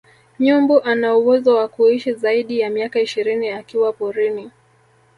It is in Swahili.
Nyumbu anauwezo wa kuishi zaidi ya miaka ishirini akiwa porini